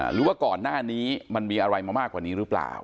หรือว่าก่อนหน้านี้มันมีอะไรมามากกว่านี้หรือเปล่า